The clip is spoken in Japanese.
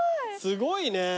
すごいね。